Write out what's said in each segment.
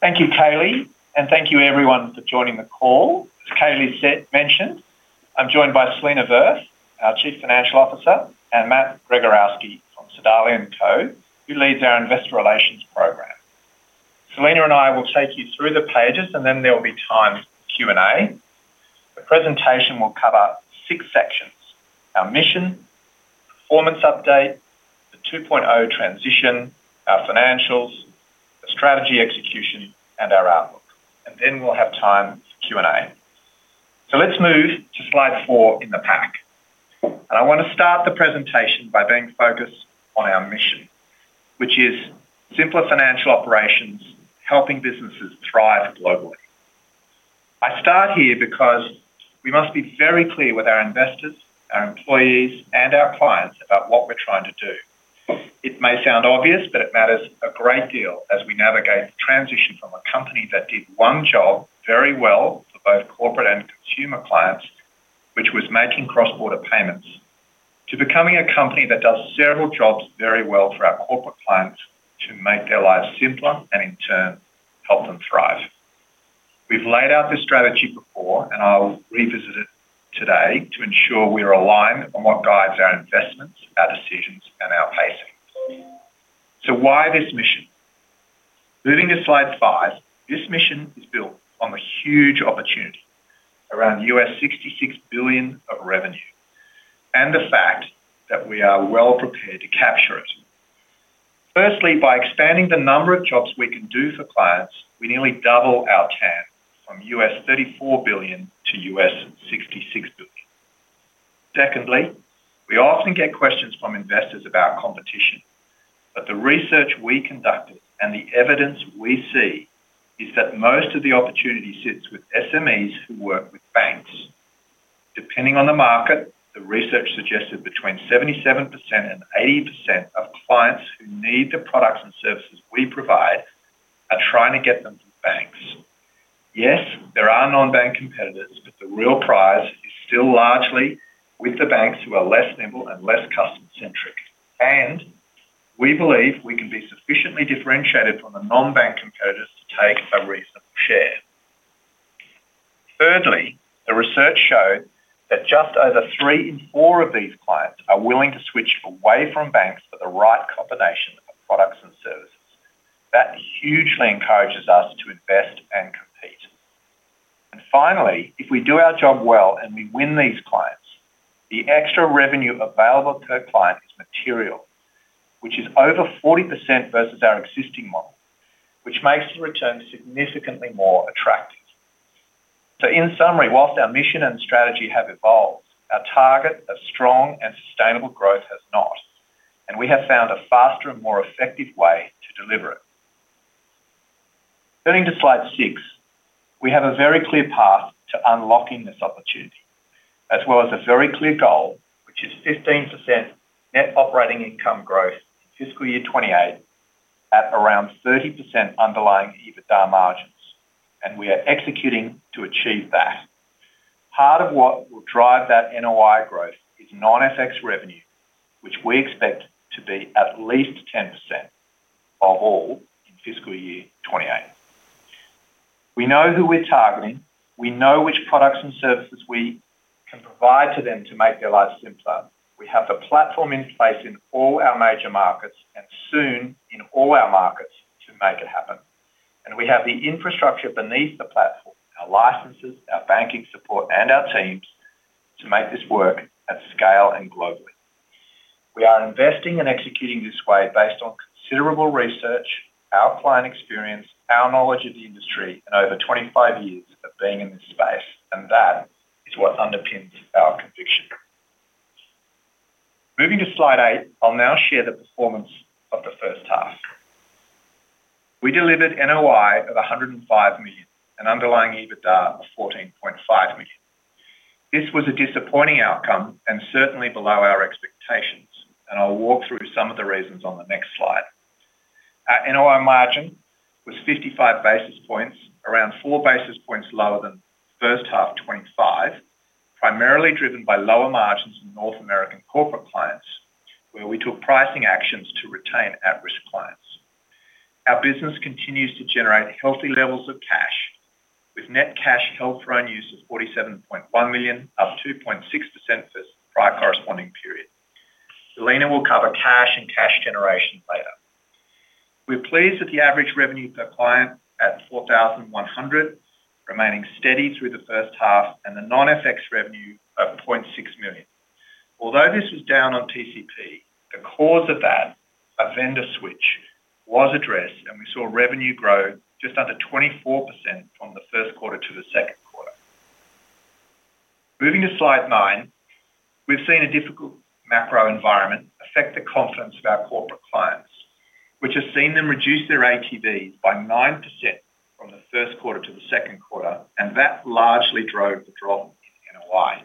Thank you, Kaylee, and thank you, everyone, for joining the call. As Kaylee mentioned, I'm joined by Selena Verth, our Chief Financial Officer, and Matt Gregorowski from Sedalia & Co., who leads our Investor Relations Program. Selena and I will take you through the pages, and then there will be time for Q&A. The presentation will cover six sections: our mission, performance update, the 2.0 transition, our financials, the strategy execution, and our outlook. We will have time for Q&A. Let us move to slide four in the pack. I want to start the presentation by being focused on our mission, which is simpler financial operations, helping businesses thrive globally. I start here because we must be very clear with our investors, our employees, and our clients about what we're trying to do. It may sound obvious, but it matters a great deal as we navigate the transition from a company that did one job very well for both corporate and consumer clients, which was making cross-border payments, to becoming a company that does several jobs very well for our corporate clients to make their lives simpler and, in turn, help them thrive. We have laid out this strategy before, and I will revisit it today to ensure we are aligned on what guides our investments, our decisions, and our pacing. Why this mission? Moving to slide five, this mission is built on the huge opportunity around $66 billion of revenue and the fact that we are well prepared to capture it. Firstly, by expanding the number of jobs we can do for clients, we nearly double our TAN from $34 billion-$66 billion. Secondly, we often get questions from investors about competition, but the research we conducted and the evidence we see is that most of the opportunity sits with SMEs who work with banks. Depending on the market, the research suggested between 77% and 80% of clients who need the products and services we provide are trying to get them from banks. Yes, there are non-bank competitors, but the real prize is still largely with the banks who are less nimble and less customer-centric. We believe we can be sufficiently differentiated from the non-bank competitors to take a reasonable share. Thirdly, the research showed that just over three in four of these clients are willing to switch away from banks for the right combination of products and services. That hugely encourages us to invest and compete. Finally, if we do our job well and we win these clients, the extra revenue available per client is material, which is over 40% versus our existing model, which makes the return significantly more attractive. In summary, whilst our mission and strategy have evolved, our target of strong and sustainable growth has not, and we have found a faster and more effective way to deliver it. Turning to slide six, we have a very clear path to unlocking this opportunity, as well as a very clear goal, which is 15% net operating income growth in fiscal year 2028 at around 30% underlying EBITDA margins. We are executing to achieve that. Part of what will drive that NOI growth is non-FX revenue, which we expect to be at least 10% of all in fiscal year 2028. We know who we're targeting. We know which products and services we can provide to them to make their lives simpler. We have the platform in place in all our major markets and soon in all our markets to make it happen. We have the infrastructure beneath the platform, our licenses, our banking support, and our teams to make this work at scale and globally. We are investing and executing this way based on considerable research, our client experience, our knowledge of the industry, and over 25 years of being in this space. That is what underpins our conviction. Moving to slide eight, I'll now share the performance of the first half. We delivered NOI of $105 million and underlying EBITDA of $14.5 million. This was a disappointing outcome and certainly below our expectations. I'll walk through some of the reasons on the next slide. Our NOI margin was 55 basis points, around four basis points lower than first half 2025, primarily driven by lower margins in North American corporate clients, where we took pricing actions to retain at-risk clients. Our business continues to generate healthy levels of cash, with net cash held for own use of $47.1 million, up 2.6% for the prior corresponding period. Selena will cover cash and cash generation later. We're pleased with the average revenue per client at $4,100, remaining steady through the first half, and the non-FX revenue of $0.6 million. Although this was down on TCP, the cause of that, a vendor switch, was addressed, and we saw revenue grow just under 24% from the first quarter to the second quarter. Moving to slide nine, we've seen a difficult macro environment affect the confidence of our corporate clients, which has seen them reduce their ATVs by 9% from the first quarter to the second quarter, and that largely drove the drop in NOI.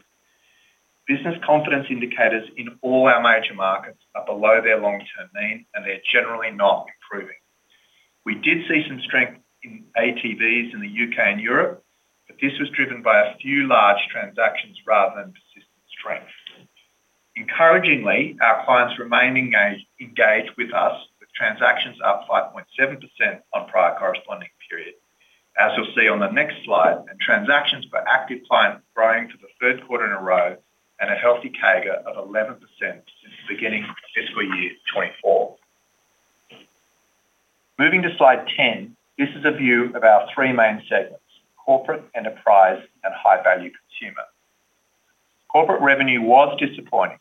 Business confidence indicators in all our major markets are below their long-term mean, and they're generally not improving. We did see some strength in ATVs in the U.K. and Europe, but this was driven by a few large transactions rather than persistent strength. Encouragingly, our clients remain engaged with us, with transactions up 5.7% on prior corresponding period, as you'll see on the next slide, and transactions per active client growing for the third quarter in a row and a healthy CAGR of 11% since the beginning of fiscal year 2024. Moving to slide ten, this is a view of our three main segments: corporate, enterprise, and high-value consumer. Corporate revenue was disappointing,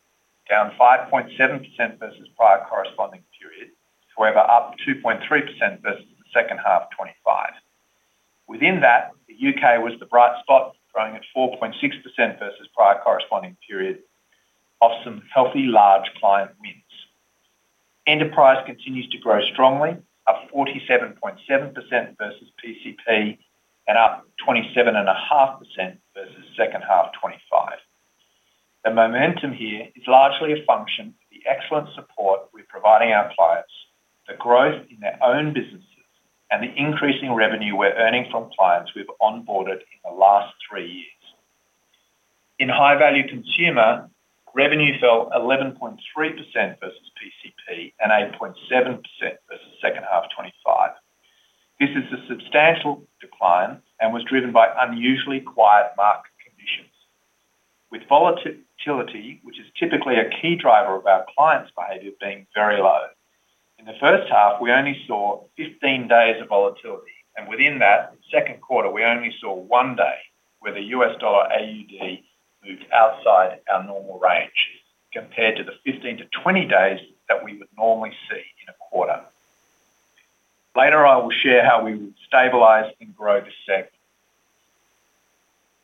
down 5.7% versus prior corresponding period, however, up 2.3% versus the second half 2025. Within that, the U.K. was the bright spot, growing at 4.6% versus prior corresponding period, off some healthy large client wins. Enterprise continues to grow strongly, up 47.7% versus PCP and up 27.5% versus second half 2025. The momentum here is largely a function of the excellent support we're providing our clients, the growth in their own businesses, and the increasing revenue we're earning from clients we've onboarded in the last three years. In high-value consumer, revenue fell 11.3% versus PCP and 8.7% versus second half 2025. This is a substantial decline and was driven by unusually quiet market conditions, with volatility, which is typically a key driver of our clients' behavior, being very low. In the first half, we only saw 15 days of volatility. Within that, the second quarter, we only saw one day where the US dollar AUD moved outside our normal range compared to the 15 to 20 days that we would normally see in a quarter. Later, I will share how we will stabilize and grow the segment.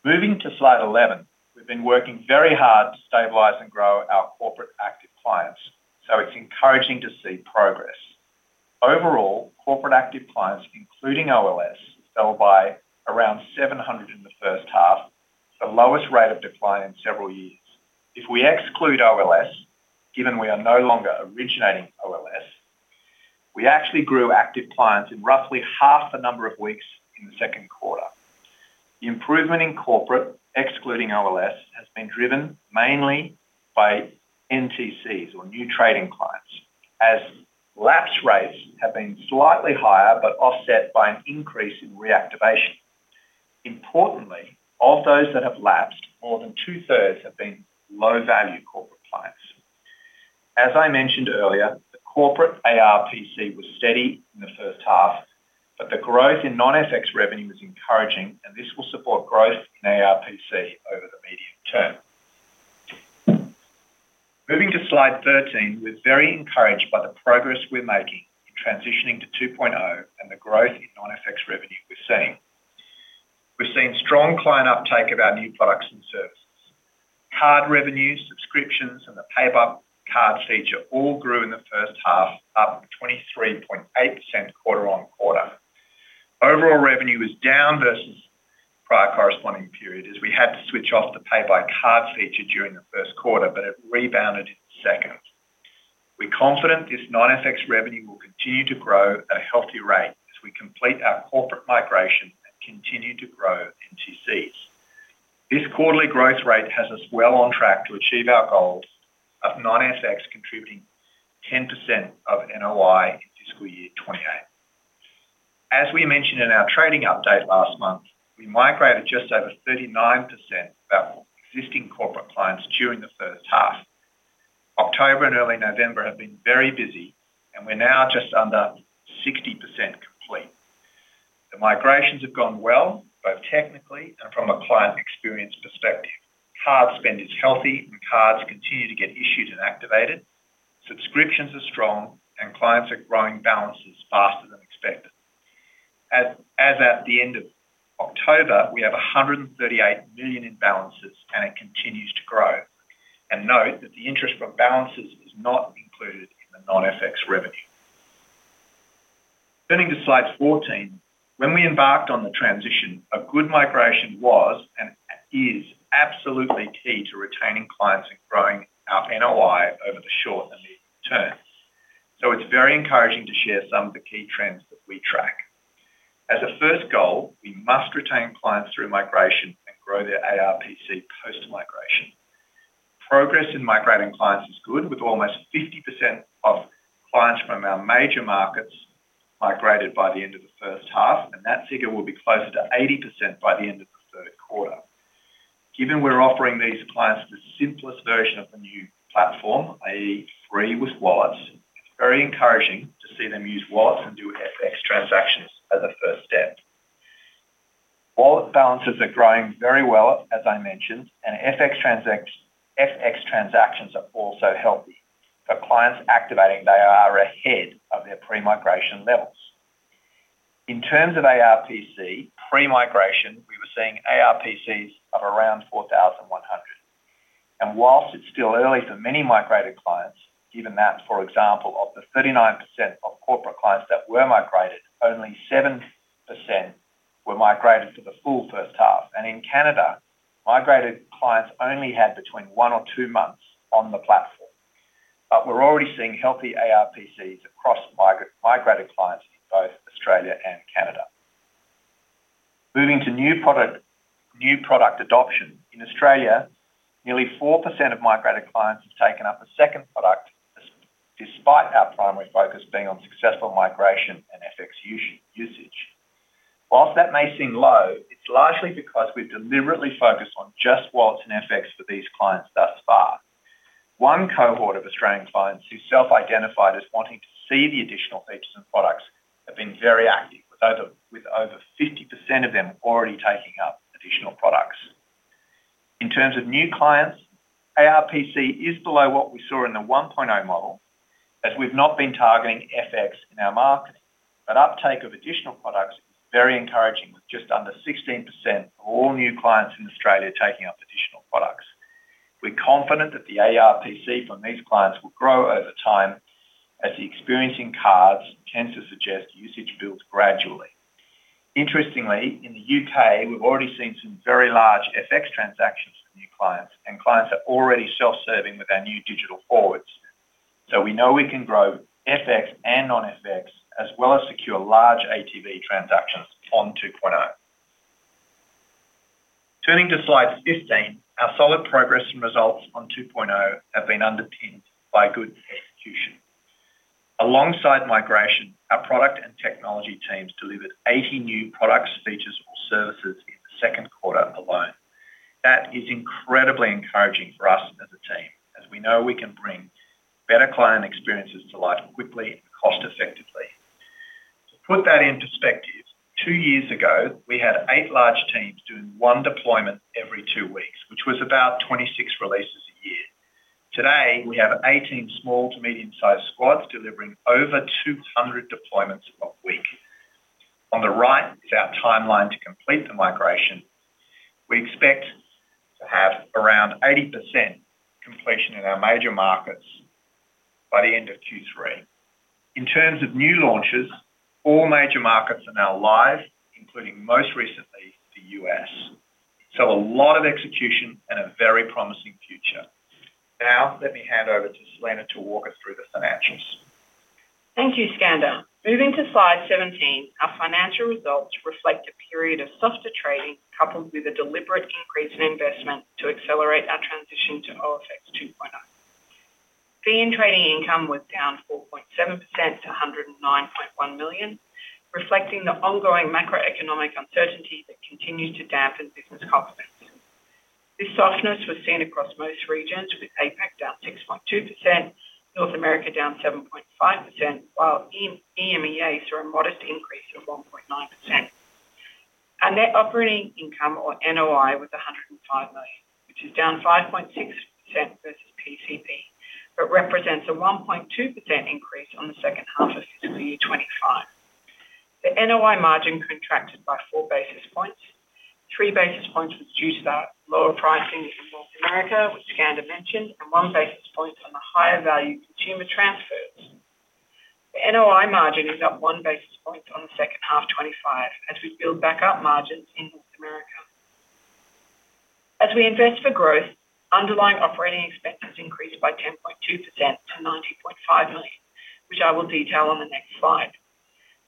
Moving to slide 11, we've been working very hard to stabilize and grow our corporate active clients, so it's encouraging to see progress. Overall, corporate active clients, including OLS, fell by around 700 in the first half, the lowest rate of decline in several years. If we exclude OLS, given we are no longer originating OLS, we actually grew active clients in roughly half the number of weeks in the second quarter. The improvement in corporate, excluding OLS, has been driven mainly by NTCs or new trading clients, as lapse rates have been slightly higher but offset by an increase in reactivation. Importantly, of those that have lapsed, more than two-thirds have been low-value corporate clients. As I mentioned earlier, the corporate ARPC was steady in the first half, but the growth in non-FX revenue is encouraging, and this will support growth in ARPC over the medium term. Moving to slide 13, we're very encouraged by the progress we're making in transitioning to 2.0 and the growth in non-FX revenue we're seeing. We've seen strong client uptake of our new products and services. Card revenue, subscriptions, and the payback card feature all grew in the first half, up 23.8% quarter-on-quarter. Overall revenue was down versus prior corresponding period as we had to switch off the payback card feature during the first quarter, but it rebounded second. We're confident this non-FX revenue will continue to grow at a healthy rate as we complete our corporate migration and continue to grow NTCs. This quarterly growth rate has us well on track to achieve our goal of non-FX contributing 10% of NOI in fiscal year 2028. As we mentioned in our trading update last month, we migrated just over 39% of our existing corporate clients during the first half. October and early November have been very busy, and we're now just under 60% complete. The migrations have gone well, both technically and from a client experience perspective. Card spend is healthy, and cards continue to get issued and activated. Subscriptions are strong, and clients are growing balances faster than expected. As at the end of October, we have $138 million in balances, and it continues to grow. Note that the interest from balances is not included in the non-FX revenue. Turning to slide 14, when we embarked on the transition, a good migration was and is absolutely key to retaining clients and growing our NOI over the short and medium term. It is very encouraging to share some of the key trends that we track. As a first goal, we must retain clients through migration and grow their ARPC post-migration. Progress in migrating clients is good, with almost 50% of clients from our major markets migrated by the end of the first half, and that figure will be closer to 80% by the end of the third quarter. Given we're offering these clients the simplest version of the new platform, i.e., free with wallets, it's very encouraging to see them use wallets and do FX transactions as a first step. Wallet balances are growing very well, as I mentioned, and FX transactions are also healthy. For clients activating, they are ahead of their pre-migration levels. In terms of ARPC, pre-migration, we were seeing ARPCs of around $4,100. Whilst it's still early for many migrated clients, given that, for example, of the 39% of corporate clients that were migrated, only 7% were migrated for the full first half. In Canada, migrated clients only had between one or two months on the platform. We are already seeing healthy ARPCs across migrated clients in both Australia and Canada. Moving to new product adoption, in Australia, nearly 4% of migrated clients have taken up a second product, despite our primary focus being on successful migration and FX usage. Whilst that may seem low, it is largely because we have deliberately focused on just wallets and FX for these clients thus far. One cohort of Australian clients who self-identified as wanting to see the additional features and products have been very active, with over 50% of them already taking up additional products. In terms of new clients, ARPC is below what we saw in the 1.0 model, as we have not been targeting FX in our market. Uptake of additional products is very encouraging, with just under 16% of all new clients in Australia taking up additional products. We're confident that the ARPC from these clients will grow over time as the experience in cards tends to suggest usage builds gradually. Interestingly, in the U.K., we've already seen some very large FX transactions for new clients, and clients are already self-serving with our new digital forwards. We know we can grow FX and non-FX, as well as secure large ATV transactions on 2.0. Turning to slide 15, our solid progress and results on 2.0 have been underpinned by good execution. Alongside migration, our product and technology teams delivered 80 new products, features, or services in the second quarter alone. That is incredibly encouraging for us as a team, as we know we can bring better client experiences to life quickly and cost-effectively. To put that in perspective, two years ago, we had eight large teams doing one deployment every two weeks, which was about 26 releases a year. Today, we have 18 small to medium-sized squads delivering over 200 deployments a week. On the right is our timeline to complete the migration. We expect to have around 80% completion in our major markets by the end of Q3. In terms of new launches, all major markets are now live, including most recently the U.S. A lot of execution and a very promising future. Now, let me hand over to Selena to walk us through the financials. Thank you, Skander. Moving to slide 17, our financial results reflect a period of softer trading coupled with a deliberate increase in investment to accelerate our transition to OFX 2.0. Fee-in trading income was down 4.7% to $109.1 million, reflecting the ongoing macroeconomic uncertainty that continues to dampen business confidence. This softness was seen across most regions, with APAC down 6.2%, North America down 7.5%, while EMEA saw a modest increase of 1.9%. Our net operating income, or NOI, was $105 million, which is down 5.6% versus PCP, but represents a 1.2% increase on the second half of fiscal year 2025. The NOI margin contracted by four basis points. Three basis points was due to the lower pricing in North America, which Skander mentioned, and one basis point on the higher-value consumer transfers. The NOI margin is up one basis point on the second half 2025, as we build back up margins in North America. As we invest for growth, underlying operating expenses increased by 10.2% to $90.5 million, which I will detail on the next slide.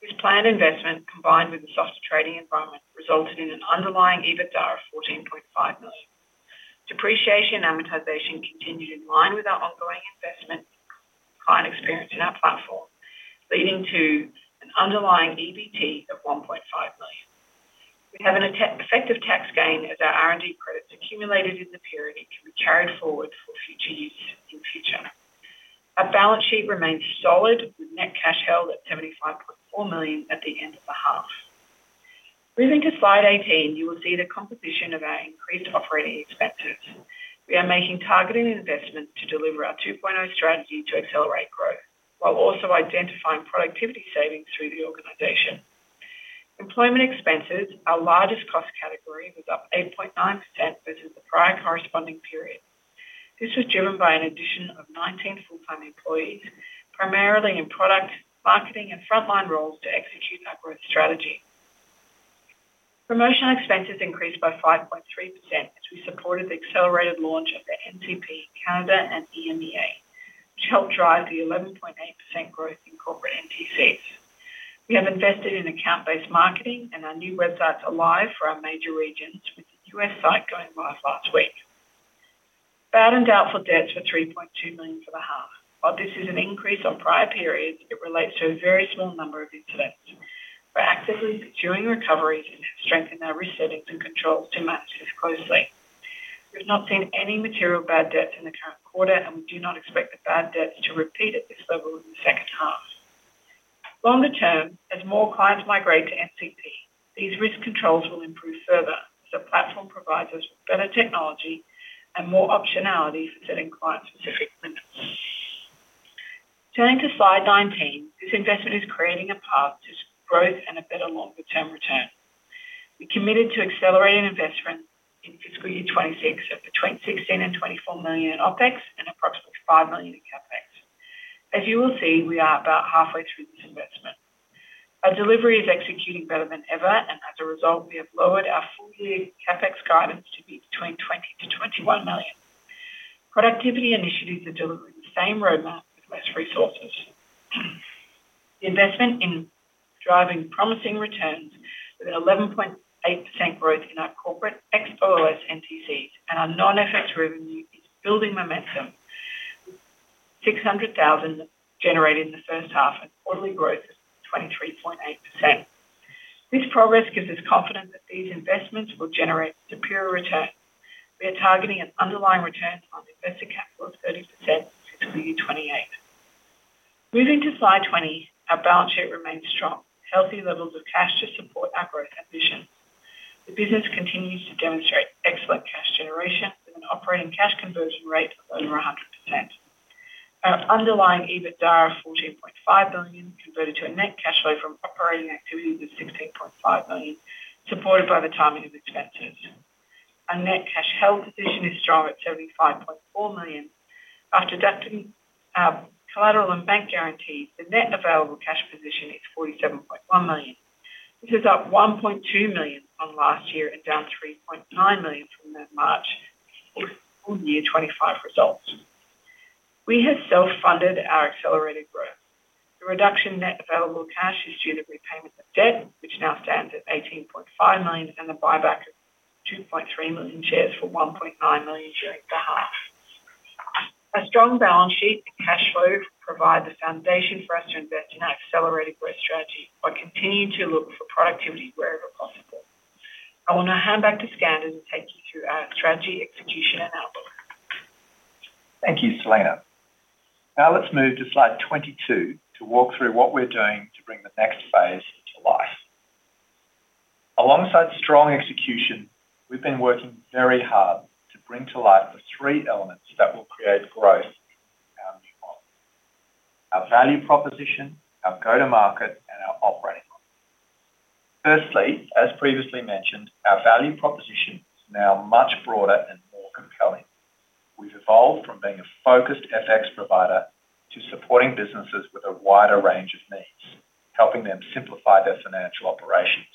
This planned investment, combined with the softer trading environment, resulted in an underlying EBITDA of $14.5 million. Depreciation and amortization continued in line with our ongoing investment client experience in our platform, leading to an underlying EBT of $1.5 million. We have an effective tax gain as our R&D credits accumulated in the period can be carried forward for future use in the future. Our balance sheet remains solid, with net cash held at $75.4 million at the end of the half. Moving to slide 18, you will see the composition of our increased operating expenses. We are making targeted investments to deliver our 2.0 strategy to accelerate growth, while also identifying productivity savings through the organization. Employment expenses, our largest cost category, was up 8.9% versus the prior corresponding period. This was driven by an addition of 19 full-time employees, primarily in product marketing and frontline roles to execute our growth strategy. Promotional expenses increased by 5.3% as we supported the accelerated launch of the NCP, Canada, and EMEA, which helped drive the 11.8% growth in corporate NTCs. We have invested in account-based marketing, and our new websites are live for our major regions, with the U.S. site going live last week. Bad and doubtful debts were $3.2 million for the half. While this is an increase on prior periods, it relates to a very small number of incidents. We're actively pursuing recoveries and have strengthened our risk settings and controls to manage this closely. We've not seen any material bad debts in the current quarter, and we do not expect the bad debts to repeat at this level in the second half. Longer term, as more clients migrate to NCP, these risk controls will improve further, as the platform provides us with better technology and more optionality for setting client-specific limits. Turning to slide 19, this investment is creating a path to growth and a better longer-term return. We're committed to accelerating investment in fiscal year 2026 of between $16 million-$24 million in OPEX and approximately $5 million in CAPEX. As you will see, we are about halfway through this investment. Our delivery is executing better than ever, and as a result, we have lowered our full-year CAPEX guidance to be between $20 million-$21 million. Productivity initiatives are delivering the same roadmap with less resources. The investment is driving promising returns with an 11.8% growth in our corporate ex OLS NTCs and our non-FX revenue is building momentum, with $600,000 generated in the first half and quarterly growth of 23.8%. This progress gives us confidence that these investments will generate superior returns. We are targeting an underlying return on investor capital of 30% in fiscal year 2028. Moving to slide 20, our balance sheet remains strong, with healthy levels of cash to support our growth ambitions. The business continues to demonstrate excellent cash generation with an operating cash conversion rate of over 100%. Our underlying EBITDA of $14.5 million converted to a net cash flow from operating activities of $16.5 million, supported by the timing of expenses. Our net cash held position is strong at $75.4 million. After deducting collateral and bank guarantees, the net available cash position is $47.1 million. This is up $1.2 million from last year and down $3.9 million from the March fiscal year 2025 results. We have self-funded our accelerated growth. The reduction in net available cash is due to repayment of debt, which now stands at $18.5 million, and the buyback of 2.3 million shares for $1.9 million during the half. Our strong balance sheet and cash flow provide the foundation for us to invest in our accelerated growth strategy, while continuing to look for productivity wherever possible. I will now hand back to Skander to take you through our strategy, execution, and outlook. Thank you, Selena. Now let's move to slide 22 to walk through what we're doing to bring the next phase to life. Alongside strong execution, we've been working very hard to bring to life the three elements that will create growth in our new model: our value proposition, our go-to-market, and our operating model. Firstly, as previously mentioned, our value proposition is now much broader and more compelling. We've evolved from being a focused FX provider to supporting businesses with a wider range of needs, helping them simplify their financial operations.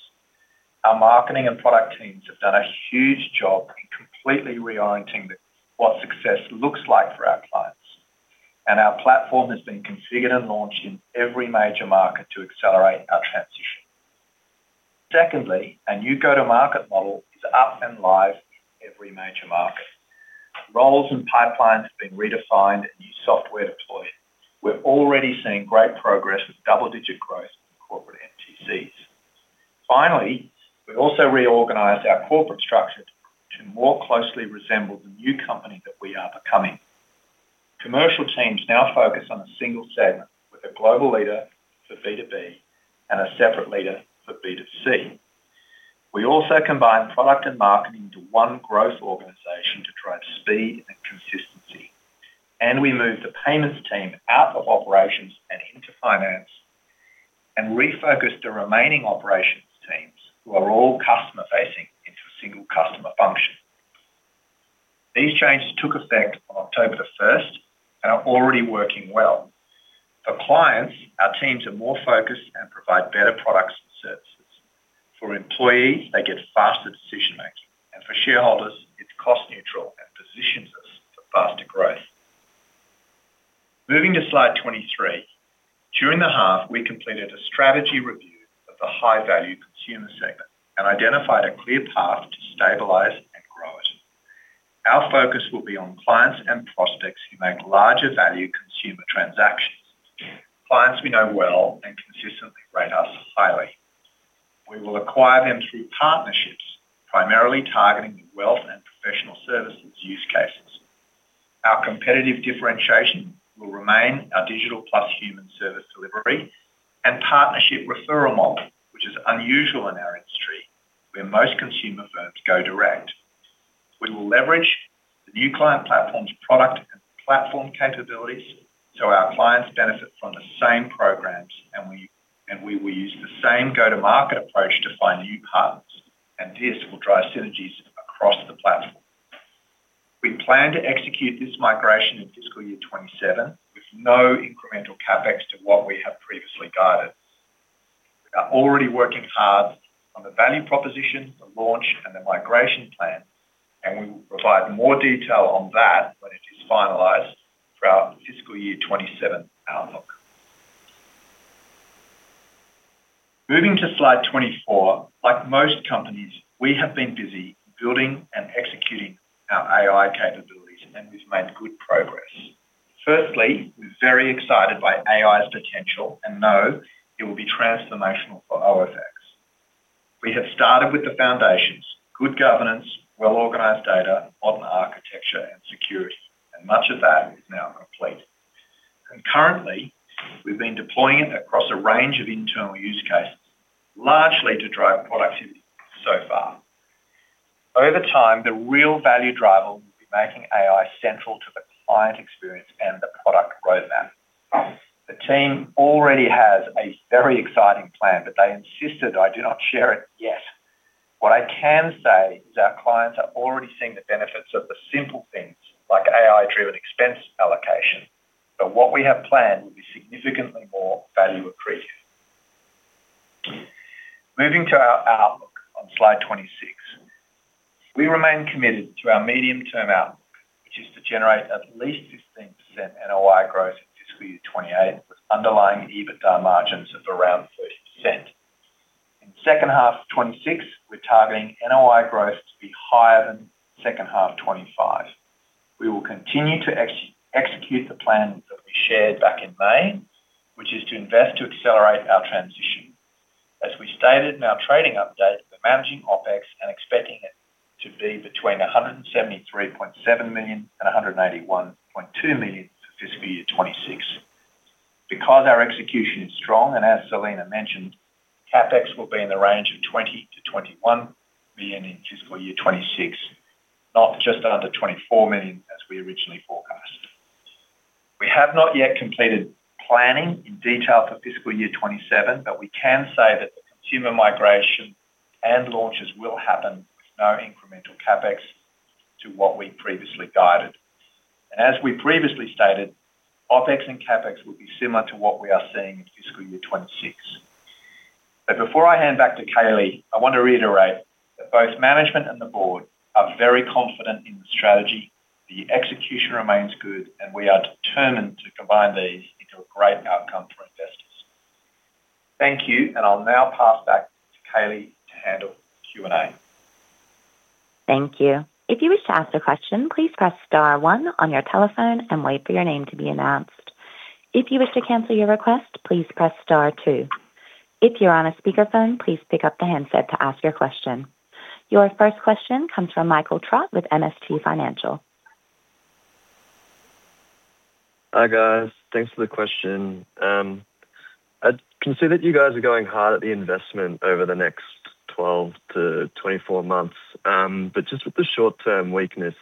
Our marketing and product teams have done a huge job in completely reorienting what success looks like for our clients. Our platform has been configured and launched in every major market to accelerate our transition. Secondly, our new go-to-market model is up and live in every major market. Roles and pipelines have been redefined and new software deployed. We're already seeing great progress with double-digit growth in corporate NTCs. Finally, we also reorganized our corporate structure to more closely resemble the new company that we are becoming. Commercial teams now focus on a single segment with a global leader for B2B and a separate leader for B2C. We also combined product and marketing into one growth organization to drive speed and consistency. We moved the payments team out of operations and into finance and refocused the remaining operations teams, who are all customer-facing, into a single customer function. These changes took effect on October 1st and are already working well. For clients, our teams are more focused and provide better products and services. For employees, they get faster decision-making. For shareholders, it is cost-neutral and positions us for faster growth. Moving to slide 23, during the half, we completed a strategy review of the high-value consumer segment and identified a clear path to stabilize and grow it. Our focus will be on clients and prospects who make larger-value consumer transactions, clients we know well and consistently rate us highly. We will acquire them through partnerships, primarily targeting the wealth and professional services use cases. Our competitive differentiation will remain our digital plus human service delivery and partnership referral model, which is unusual in our industry, where most consumer firms go direct. We will leverage the new client platform's product and platform capabilities so our clients benefit from the same programs, and we will use the same go-to-market approach to find new partners. This will drive synergies across the platform. We plan to execute this migration in fiscal year 2027 with no incremental CAPEX to what we have previously guided. We are already working hard on the value proposition, the launch, and the migration plan, and we will provide more detail on that when it is finalized for our fiscal year 2027 outlook. Moving to slide 24, like most companies, we have been busy building and executing our AI capabilities, and we've made good progress. Firstly, we're very excited by AI's potential and know it will be transformational for OFX. We have started with the foundations: good governance, well-organized data, modern architecture, and security. Much of that is now complete. Currently, we've been deploying it across a range of internal use cases, largely to drive productivity so far. Over time, the real value driver will be making AI central to the client experience and the product roadmap. The team already has a very exciting plan, but they insisted I do not share it yet. What I can say is our clients are already seeing the benefits of the simple things like AI-driven expense allocation, but what we have planned will be significantly more value-accretive. Moving to our outlook on slide 26, we remain committed to our medium-term outlook, which is to generate at least 15% NOI growth in fiscal year 2028 with underlying EBITDA margins of around 30%. In second half 2026, we're targeting NOI growth to be higher than second half 2025. We will continue to execute the plan that we shared back in May, which is to invest to accelerate our transition. As we stated in our trading update, we're managing OPEX and expecting it to be between $173.7 million-$181.2 million for fiscal year 2026. Because our execution is strong, and as Selena mentioned, CAPEX will be in the range of $20 million-$21 million in fiscal year 2026, not just under $24 million as we originally forecast. We have not yet completed planning in detail for fiscal year 2027, but we can say that the consumer migration and launches will happen with no incremental CAPEX to what we previously guided. As we previously stated, OPEX and CAPEX will be similar to what we are seeing in fiscal year 2026. Before I hand back to Kaylee, I want to reiterate that both management and the board are very confident in the strategy. The execution remains good, and we are determined to combine these into a great outcome for investors. Thank you, and I'll now pass back to Kaylee to handle Q&A. Thank you. If you wish to ask a question, please press star one on your telephone and wait for your name to be announced. If you wish to cancel your request, please press star two. If you're on a speakerphone, please pick up the handset to ask your question. Your first question comes from Michael Trott with MST Financial. Hi guys. Thanks for the question. I can see that you guys are going hard at the investment over the next 12 to 24 months, but just with the short-term weakness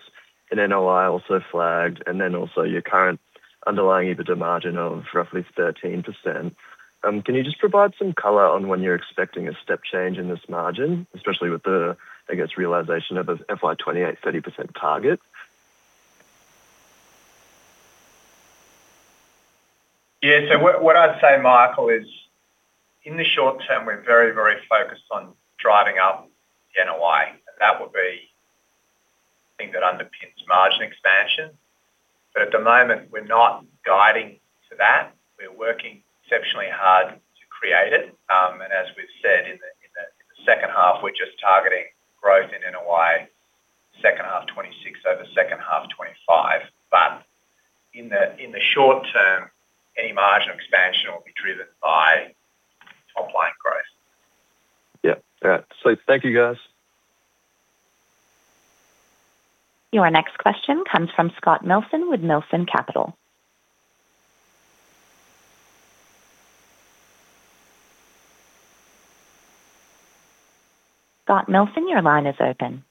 in NOI also flagged, and then also your current underlying EBITDA margin of roughly 13%. Can you just provide some color on when you're expecting a step change in this margin, especially with the, I guess, realization of a FY 2028 30% target? Yeah, so what I'd say, Michael, is in the short term, we're very, very focused on driving up NOI. That will be the thing that underpins margin expansion. At the moment, we're not guiding to that. We're working exceptionally hard to create it. As we've said, in the second half, we're just targeting growth in NOI second half 2026 over second half 2025. In the short term, any margin expansion will be driven by top-line growth. Yep. All right. Sweet. Thank you, guys. Your next question comes from Scott Milton with Milton Capital. Scott Milton, your line is open.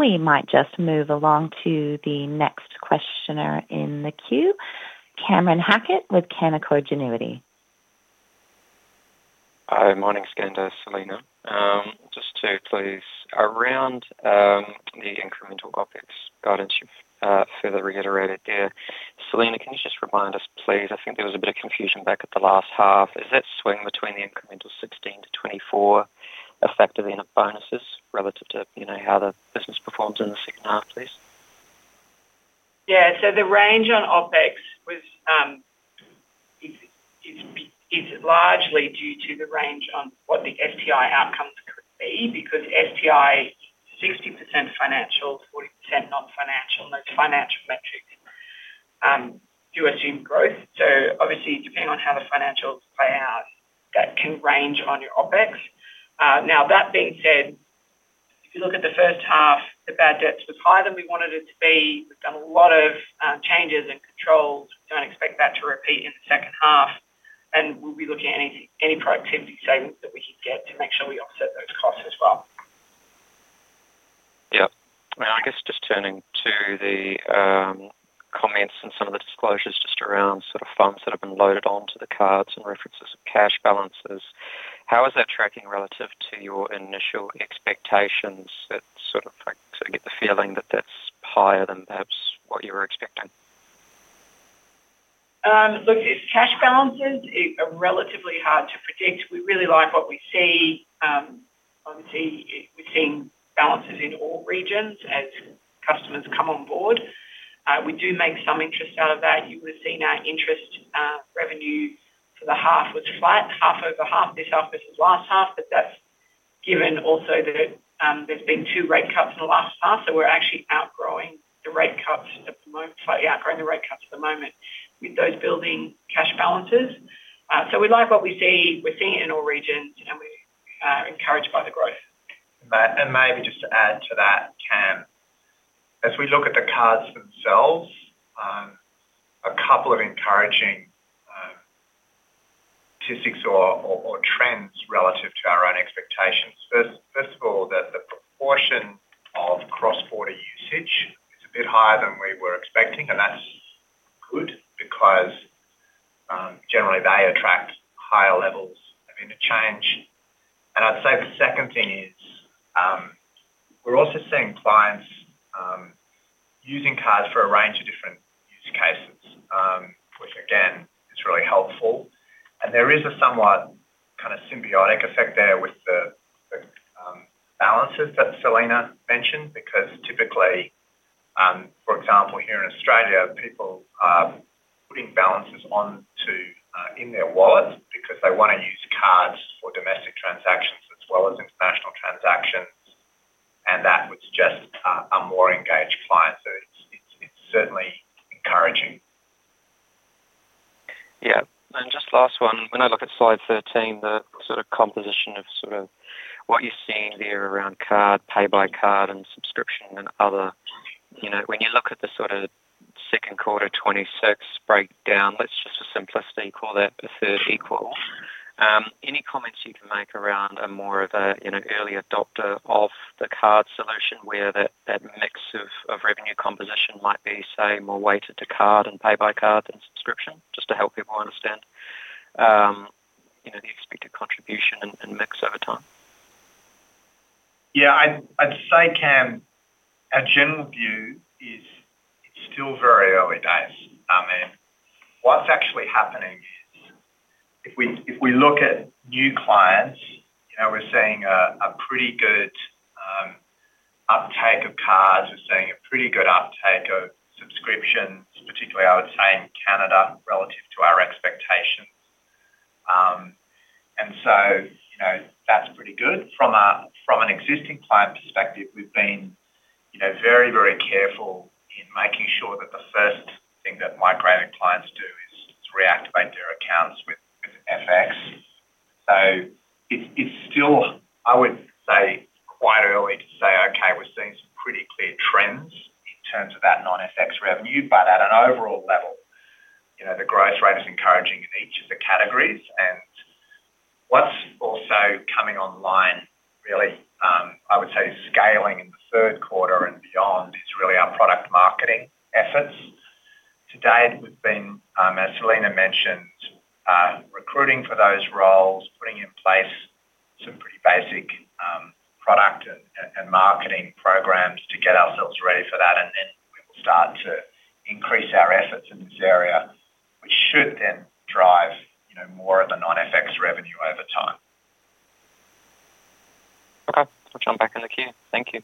We might just move along to the next questioner in the queue, Cameron Hackett with Canaccord Genuity. Hi. Morning, Skander, Selena. Just to please, around the incremental OPEX guidance you've further reiterated there, Selena, can you just remind us, please? I think there was a bit of confusion back at the last half. Is that swing between the incremental $16 million-$24 million effective in bonuses relative to how the business performed in the second half, please? Yeah. The range on OPEX is largely due to the range on what the FTI outcomes could be because FTI, 60% financial, 40% non-financial, and those financial metrics do assume growth. Obviously, depending on how the financials play out, that can range on your OPEX. That being said, if you look at the first half, the bad debt was higher than we wanted it to be. We've done a lot of changes and controls. We do not expect that to repeat in the second half. We will be looking at any productivity savings that we can get to make sure we offset those costs as well. Yep. I mean, I guess just turning to the comments and some of the disclosures just around sort of funds that have been loaded onto the cards and references of cash balances, how is that tracking relative to your initial expectations? It sort of, I guess, I get the feeling that that's higher than perhaps what you were expecting. Look, cash balances are relatively hard to predict. We really like what we see. Obviously, we've seen balances in all regions as customers come on board. We do make some interest out of that. You will have seen our interest revenue for the half was flat, half over half. This half versus last half, but that's given also that there's been two rate cuts in the last half. We are actually outgrowing the rate cuts at the moment, slightly outgrowing the rate cuts at the moment with those building cash balances. We like what we see. We're seeing it in all regions, and we're encouraged by the growth. Maybe just to add to that, Cam, as we look at the cards themselves, a couple of encouraging statistics or trends relative to our own expectations. First of all, the proportion of cross-border usage is a bit higher than we were expecting, and that's good because generally, they attract higher levels of interchange. I'd say the second thing is we're also seeing clients using cards for a range of different when I look at slide 13, the sort of composition of what you're seeing there around card, pay-by-card, and subscription and other, when you look at the second quarter 2026 breakdown, let's just for simplicity call that a third equal. Any comments you can make around more of an early adopter of the card solution where that mix of revenue composition might be, say, more weighted to card and pay-by-card and subscription, just to help people understand the expected contribution and mix over time? Yeah. I'd say, Cam, our general view is it's still very early days. I mean, what's actually happening is if we look at new clients, we're seeing a pretty good uptake of cards. We're seeing a pretty good uptake of subscriptions, particularly I would say in Canada relative to our expectations. And so that's pretty good. From an existing client perspective, we've been very, very careful in making sure that the first thing that migrated clients do is reactivate their accounts with OFX. It is still, I would say, quite early to say, "Okay, we're seeing some pretty clear trends in terms of that non-FX revenue." At an overall level, the growth rate is encouraging in each of the categories. What is also coming online, really, I would say, scaling in the third quarter and beyond is really our product marketing efforts. To date, we've been, as Selena mentioned, recruiting for those roles, putting in place some pretty basic product and marketing programs to get ourselves ready for that. We will start to increase our efforts in this area, which should then drive more of the non-FX revenue over time. Okay. Switch on back in the queue. Thank you.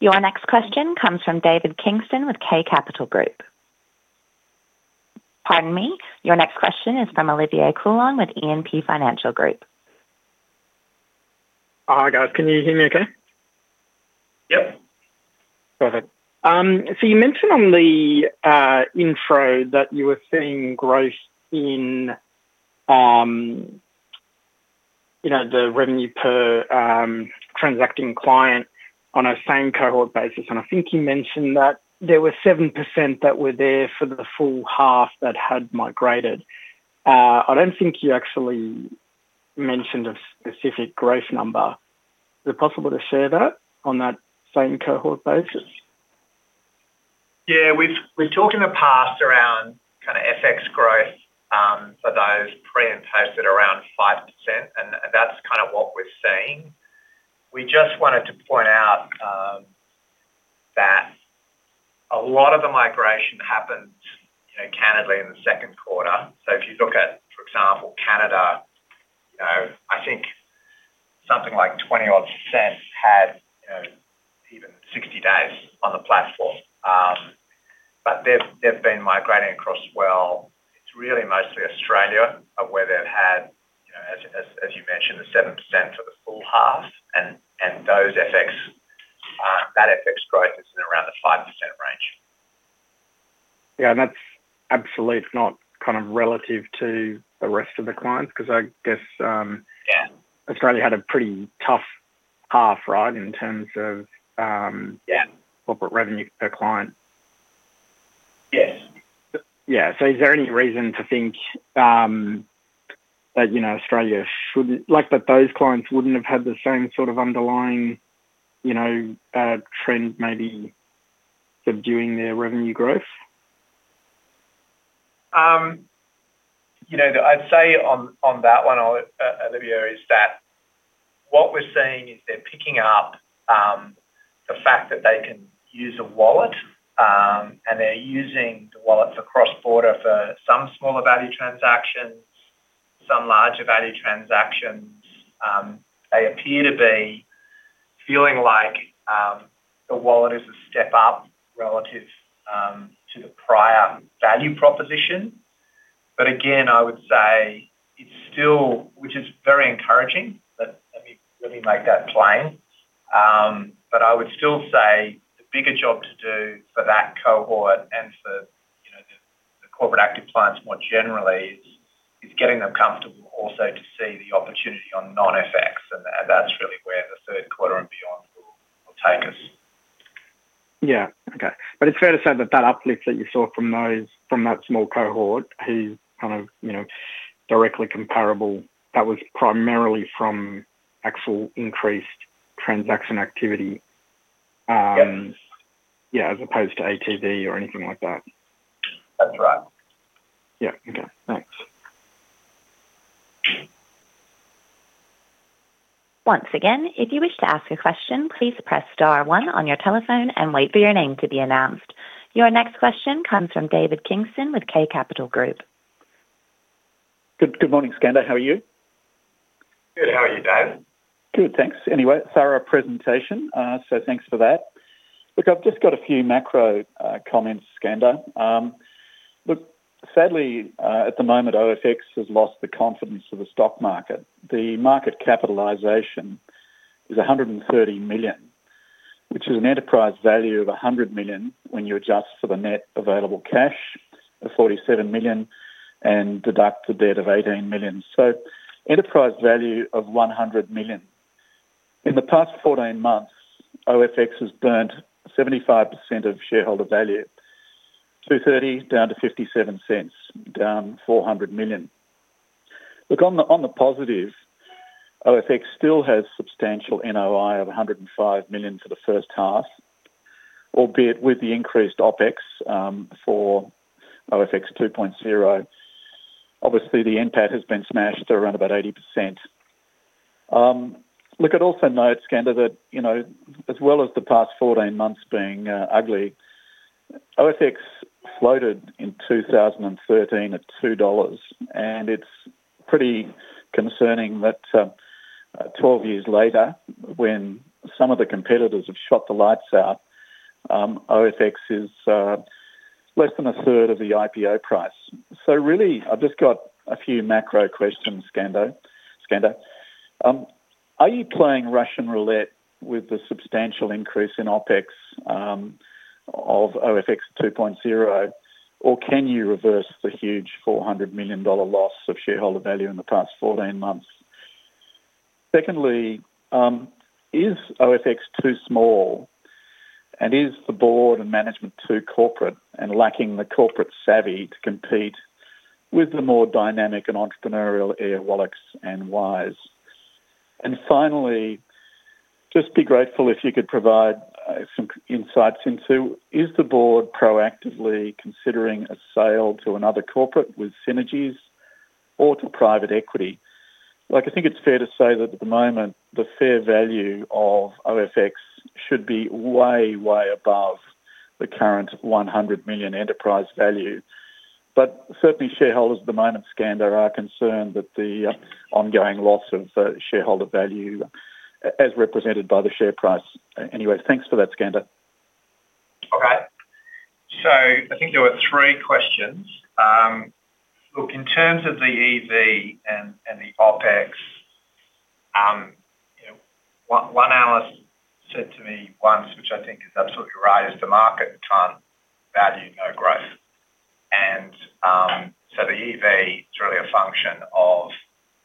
Your next question comes from David Kingston with K Capital Group. Pardon me. Your next question is from Olivier Coulon with E&P Financial Group. Hi guys. Can you hear me okay? Yep. Perfect. You mentioned on the intro that you were seeing growth in the revenue per transacting client on a same cohort basis. I think you mentioned that there were 7% that were there for the full half that had migrated. I do not think you actually mentioned a specific growth number. Is it possible to share that on that same cohort basis? Yeah. We have talked in the past around kind of FX growth for those pre-imposted around 5%, and that is kind of what we are seeing. We just wanted to point out that a lot of the migration happened candidly in the second quarter. If you look at, for example, Canada, I think something like 20-odd% had even 60 days on the platform. They have been migrating across well. It is really mostly Australia where they have had, as you mentioned, the 7% for the full half. That FX growth is in around the 5% range. Yeah. That is absolutely not kind of relative to the rest of the clients because I guess Australia had a pretty tough half, right, in terms of corporate revenue per client. Yes. Yeah. Is there any reason to think that Australia should not, like, that those clients would not have had the same sort of underlying trend maybe subduing their revenue growth? I'd say on that one, Olivier, is that what we're seeing is they're picking up the fact that they can use a wallet, and they're using the wallet for cross-border for some smaller value transactions, some larger value transactions. They appear to be feeling like the wallet is a step up relative to the prior value proposition. I would say it's still, which is very encouraging, but let me really make that plain. I would still say the bigger job to do for that cohort and for the corporate active clients more generally is getting them comfortable also to see the opportunity on non-FX. That's really where the third quarter and beyond will take us. Yeah. Okay. But it's fair to say that that uplift that you saw from that small cohort who's kind of directly comparable, that was primarily from actual increased transaction activity, yeah, as opposed to ATV or anything like that. That's right. Yeah. Okay. Thanks. Once again, if you wish to ask a question, please press star one on your telephone and wait for your name to be announced. Your next question comes from David Kingston with K Capital Group. Good morning, Skander. How are you? Good. How are you, Dave? Good. Thanks. Anyway, sorry about the presentation. So thanks for that. Look, I've just got a few macro comments, Skander. Look, sadly, at the moment, OFX has lost the confidence of the stock market. The market capitalization is $130 million, which is an enterprise value of 100 million when you adjust for the net available cash of $47 million and deduct the debt of $18 million. So enterprise value of $100 million. In the past 14 months, OFX has burnt 75% of shareholder value, $2.30 down to $0.57, down $400 million. Look, on the positive, OFX still has substantial NOI of $105 million for the first half, albeit with the increased OPEX for OFX 2.0. Obviously, the impact has been smashed to around about 80%. Look, I'd also note, Skander, that as well as the past 14 months being ugly, OFX floated in 2013 at $2. And it's pretty concerning that 12 years later, when some of the competitors have shot the lights out, OFX is less than a third of the IPO price. Really, I've just got a few macro questions, Skander. Skander, are you playing Russian roulette with the substantial increase in OPEX of OFX 2.0, or can you reverse the huge $400 million loss of shareholder value in the past 14 months? Secondly, is OFX too small, and is the board and management too corporate and lacking the corporate savvy to compete with the more dynamic and entrepreneurial Airwallex and Wise? Finally, just be grateful if you could provide some insights into is the board proactively considering a sale to another corporate with synergies or to private equity? I think it's fair to say that at the moment, the fair value of OFX should be way, way above the current $100 million enterprise value. Certainly, shareholders at the moment, Skander, are concerned that the ongoing loss of shareholder value as represented by the share price. Anyway, thanks for that, Skander. Okay. I think there were three questions. Look, in terms of the EV and the OPEX, one analyst said to me once, which I think is absolutely right, is the market can't value no growth. The EV is really a function of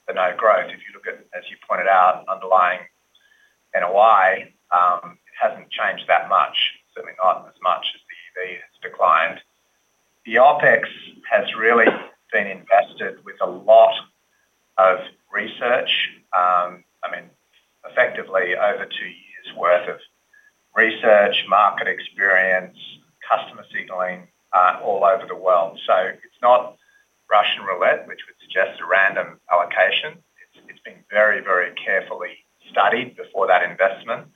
the no growth. If you look at, as you pointed out, underlying NOI, it hasn't changed that much, certainly not as much as the EV has declined. The OPEX has really been invested with a lot of research. I mean, effectively over two years' worth of research, market experience, customer signaling all over the world. It's not Russian roulette, which would suggest a random allocation. It's been very, very carefully studied before that investment.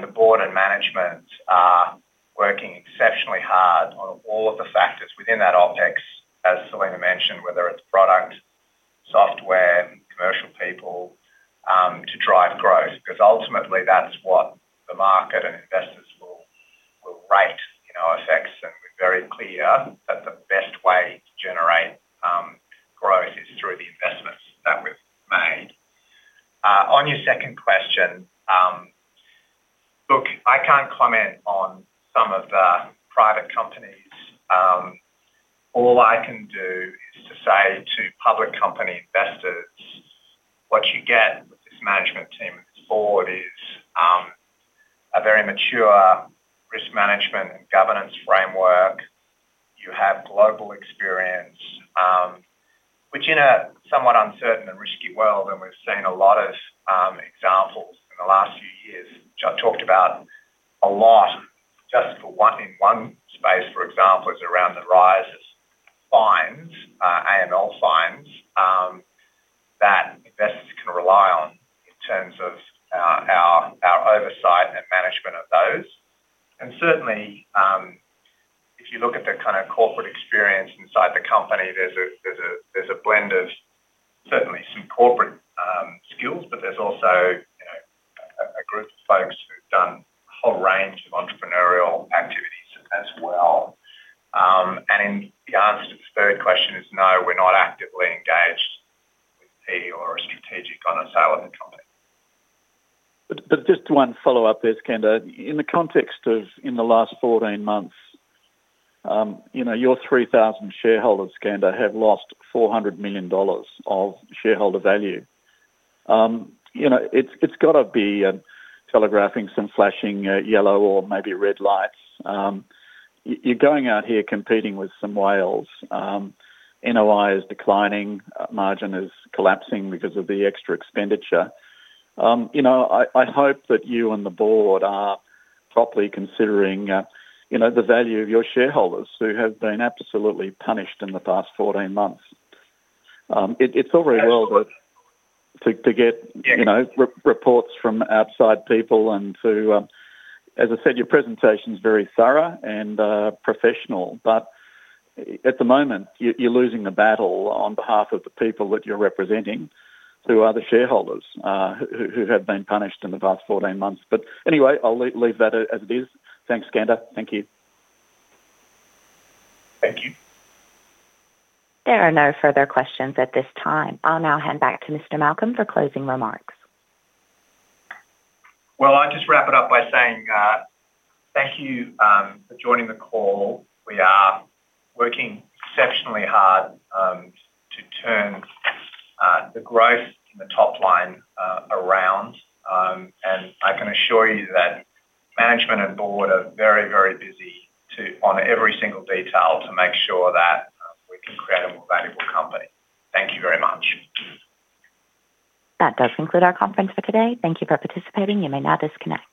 The board and management are working exceptionally hard on all of the factors within that OPEX, as Selena mentioned, whether it's product, software, commercial people, to drive growth. Because ultimately, that's what the market and investors will rate OFX, and we're very clear that the best way to generate growth is through the investments that we've made. On your second question, look, I can't comment on some of the private companies. All I can do is to say to public company investors, what you get with this management team and this board is a very mature risk management and governance framework. You have global experience, which in a somewhat uncertain and risky world, and we've seen a lot of examples in the last few years, which I've talked about a lot just in one space, for example, is around the rise of fines, AML fines that investors can rely on in terms of our oversight and management of those. Certainly, if you look at the kind of corporate experience inside the company, there's a blend of certainly some corporate skills, but there's also a group of folks who've done a whole range of entrepreneurial activities as well. The answer to the third question is no, we're not actively engaged with P or a strategic on a sale of the company. Just one follow-up there, Skander. In the context of in the last 14 months, your 3,000 shareholders, Skander, have lost $400 million of shareholder value. It's got to be telegraphing some flashing yellow or maybe red lights. You're going out here competing with some whales. NOI is declining. Margin is collapsing because of the extra expenditure. I hope that you and the board are properly considering the value of your shareholders who have been absolutely punished in the past 14 months. It's all very well to get reports from outside people. As I said, your presentation is very thorough and professional. At the moment, you're losing the battle on behalf of the people that you're representing who are the shareholders who have been punished in the past 14 months. Anyway, I'll leave that as it is. Thanks, Skander. Thank you. Thank you. There are no further questions at this time. I'll now hand back to Mr. Malcolm for closing remarks. I will just wrap it up by saying thank you for joining the call. We are working exceptionally hard to turn the growth in the top line around. I can assure you that management and board are very, very busy on every single detail to make sure that we can create a more valuable company. Thank you very much. That does conclude our conference for today. Thank you for participating. You may now disconnect.